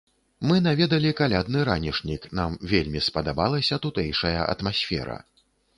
Мы наведалі калядны ранішнік, нам вельмі спадабалася тутэйшая атмасфера.